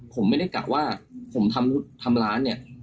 ผมทำร้านเนี่ย